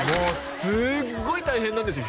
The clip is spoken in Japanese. すっごい大変なんですよ